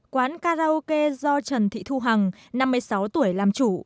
quán karaoke do trần thị thu hằng năm mươi sáu tuổi làm chủ